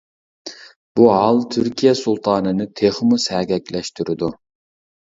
بۇ ھال تۈركىيە سۇلتانىنى تېخىمۇ سەگەكلەشتۈرىدۇ.